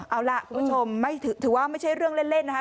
เอาล่ะคุณผู้ชมถือว่าไม่ใช่เรื่องเล่นนะคะ